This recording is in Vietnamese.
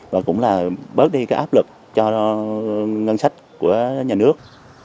và cũng là bớt đi cái áp lực cho ngân sách của nhà nước